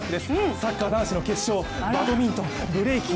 サッカー男子の決勝バドミントン、ブレイキン。